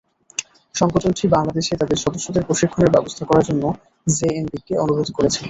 সংগঠনটি বাংলাদেশে তাদের সদস্যদের প্রশিক্ষণের ব্যবস্থা করার জন্য জেএমবিকে অনুরোধ করেছিল।